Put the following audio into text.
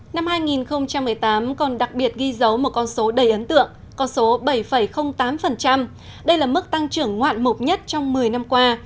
năm hai nghìn một mươi tám còn đặc biệt ghi dấu một con số đầy ấn tượng con số bảy tám đây là mức tăng trưởng ngoạn mục nhất trong một mươi năm qua